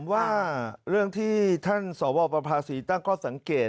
ว่าเรื่องที่ท่านสวประภาษีตั้งข้อสังเกต